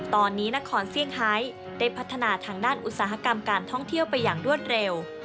ตอนนี้นครเซี่ยงไฮได้พัฒนาทางด้านอุตสาหกรรมการท่องเที่ยวไปอย่างรวดเร็ว